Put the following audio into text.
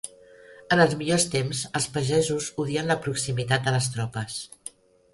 En els millors temps els pagesos odien la proximitat de les tropes